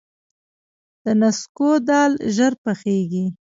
د نسکو دال ژر پخیږي.